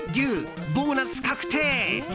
ボーナス確定！